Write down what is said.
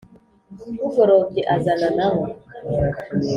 Bugorobye azana n abo